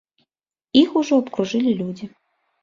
Іх ужо абкружылі людзі.